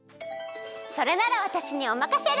それならわたしにおまかシェル！